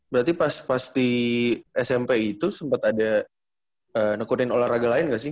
berarti pas di smp itu sempat ada nekunin olahraga lain nggak sih